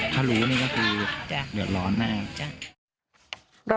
ถ้ารู้ก็คือเหลืองั้นแน่